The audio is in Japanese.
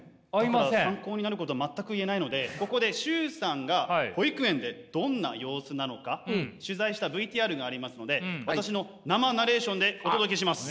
だから参考になることは全く言えないのでここで崇さんが保育園でどんな様子なのか取材したＶＴＲがありますので私の生ナレーションでお届けします。